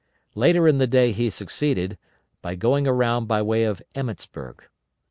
Later in the day he succeeded, by going around by way of Emmetsburg.